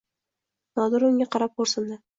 Nodira unga qarab xo`rsindi